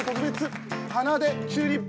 鼻で「チューリップ」